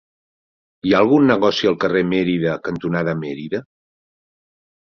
Hi ha algun negoci al carrer Mérida cantonada Mérida?